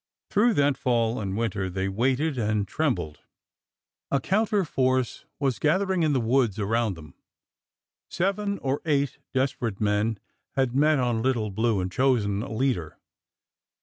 Through that fall and winter they waited and trembled. A counter force was gathering in the woods around them. Seven or eight desperate men had met on Little Blue and chosen a leader.